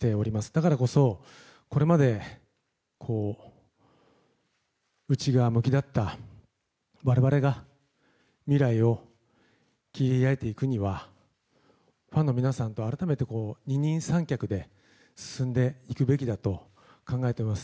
だからこそ、これまで内側向きだった我々が未来を切り開いていくにはファンの皆さんと改めて二人三脚で進んでいくべきだと考えています。